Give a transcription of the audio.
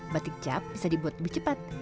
batik cap bisa dibuat lebih cepat